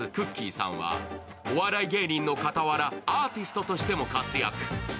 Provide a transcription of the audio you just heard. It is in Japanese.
さんはお笑い芸人の傍ら、アーティストとしても活躍。